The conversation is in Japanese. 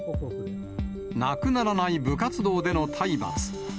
なくならない部活動での体罰。